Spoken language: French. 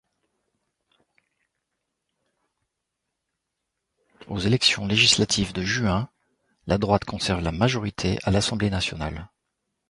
Aux élections législatives de juin, la droite conserve la majorité à l'Assemblée nationale.